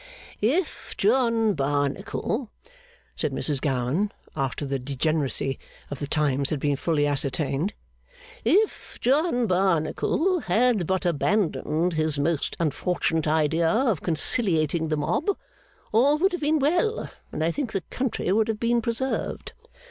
'If John Barnacle,' said Mrs Gowan, after the degeneracy of the times had been fully ascertained, 'if John Barnacle had but abandoned his most unfortunate idea of conciliating the mob, all would have been well, and I think the country would have been preserved.